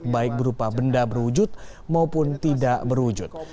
baik berupa benda berwujud maupun tidak berwujud